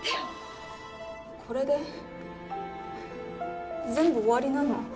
これで全部終わりなの？